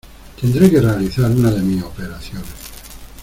Tendré que realizar una de mis operaciones.